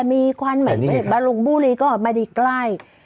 มีความแห่งมารุงบุรีก็ไม่ได้ใกล้